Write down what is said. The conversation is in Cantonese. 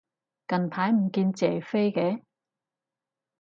近排唔見謝飛嘅